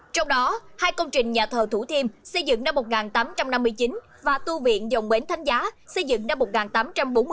trong đó hai công trình nhà thờ thủ thiêm xây dựng năm một nghìn tám trăm năm mươi chín và tu viện dòng bến thánh giá xây dựng năm một nghìn tám trăm bốn mươi